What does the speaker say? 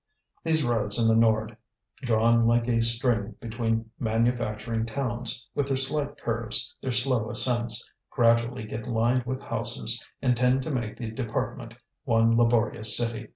These roads in the Nord, drawn like a string between manufacturing towns, with their slight curves, their slow ascents, gradually get lined with houses and tend to make the department one laborious city.